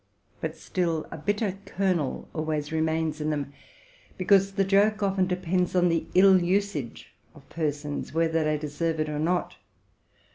But still a bitter kernel always remains in them; because the joke often depends on the ill usage of persons, whether they deserve it or not.